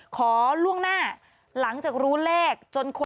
ขอล่วงหน้าหลังจากรู้เลข